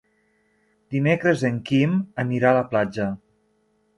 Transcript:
Dimecres en Quim anirà a la platja.